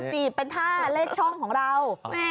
จีบเป็นท่าเลขช่องของเรา